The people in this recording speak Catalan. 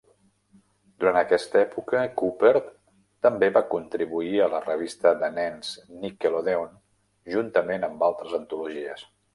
Durant aquesta època, Cooper també va contribuir a la revista de nens de Nickelodeon juntament amb altres antologies.